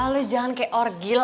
lo jangan kayak orgil